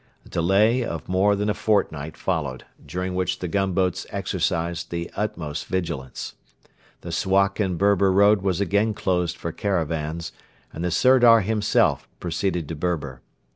A delay of more than a fortnight followed, during which the gunboats exercised the utmost vigilance. The Suakin Berber road was again closed for caravans, and the Sirdar himself proceeded to Berber.